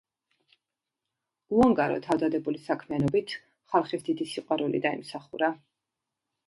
უანგარო, თავდადებული საქმიანობით ხალხის დიდი სიყვარული დაიმსახურა.